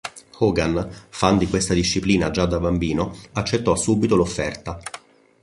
Hogan, fan di questa disciplina già da bambino, accettò subito l'offerta.